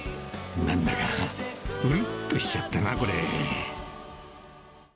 なんだかうるっとしちゃったな、これ。